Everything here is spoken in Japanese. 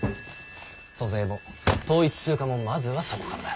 租税も統一通貨もまずはそこからだ。